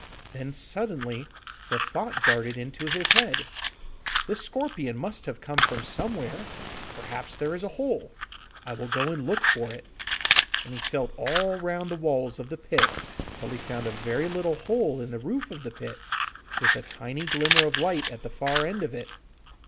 Then suddenly the thought darted into his head, 'This scorpion must have come from somewhere! Perhaps there is a hole. I will go and look for it,' and he felt all round the walls of the pit till he found a very little hole in the roof of the pit, with a tiny glimmer of light at the far end of it.